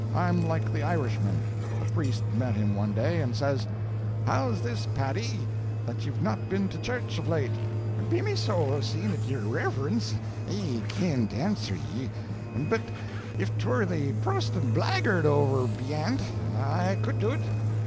I'm like the Irishman. The priest met him one day, and says: "How's this, Paddy, that you've not been to the church of late?" "Be me sowl, seein' it's yer riverence, I can't answer ye—but if 'twere the Protestant blaggard over beyent, I could do't.